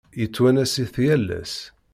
Yettwanas-it yal ass.